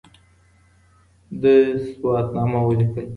ده سواتنامه وليکل